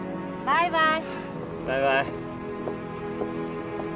バイバイ